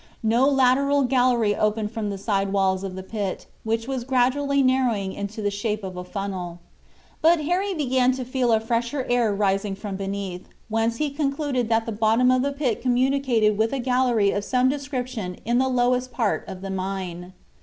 No lateral gallery opened from the side walls of the pit, which was gradually narrowing into the shape of a funnel. But Harry began to feel a fresher air rising from beneath, whence he concluded that the bottom of the pit communicated with a gallery of some description in the lowest part of the mine.